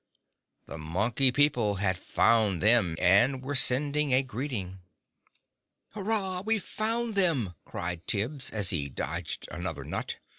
The Monkey People had found them, and were sending a greeting. "Hurrah! We've found them!" cried Tibbs, as he dodged another nut.